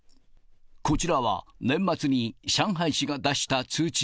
こちらは、年末に上海市が出した通知。